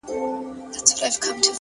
هره پوښتنه د پوهېدو دروازه ده.!